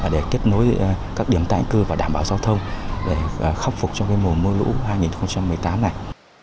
để kết nối các điểm tái cư và đảm bảo giao thông để khắc phục trong mùa mưa lũ hai nghìn một mươi tám này